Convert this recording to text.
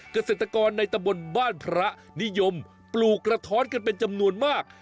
เกษตรกรในตะบนบ้านพระนิยมปลูกกระท้อนกันเป็นจำนวนมาก